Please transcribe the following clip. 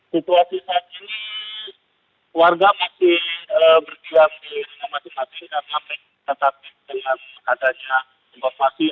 situasi saat ini warga masih berjuang di rumah rumah kita sampai tetap dengan adanya konflasi